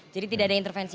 jadi tidak ada intervensi